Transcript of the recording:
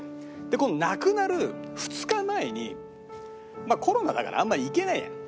で今度亡くなる２日前にコロナだからあんま行けないじゃん。